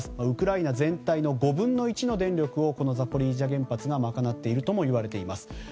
ウクライナ全体の５分の１の電力をこのザポリージャ原発が賄っているともいわれています。